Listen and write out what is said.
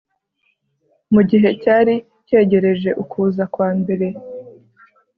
Mu gihe cyari cyegereje ukuza kwa mbere